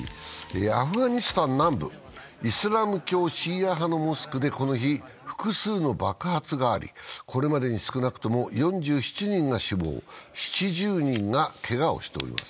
アフガニス南部、イスラム教シーア派のモスクでこの日、複数の爆発があり、これまでに少なくとも４７人が死亡、７０人がけがをしております。